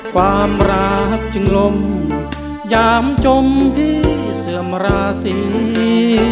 ความรักจึงลมยามจมพี่เสื่อมราศี